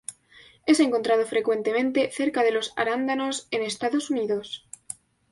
Es encontrado frecuentemente cerca de los arándanos en Estados Unidos.